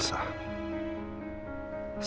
sama dengan elsa